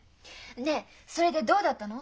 ねえそれでどうだったの？